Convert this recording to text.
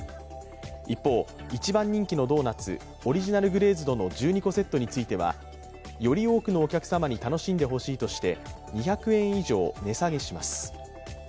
一方、一番人気のドーナツ、オリジナル・グレーズドの１２個セットについてはより多くのお客様に楽しんでほしいとして２００円以上値下げします。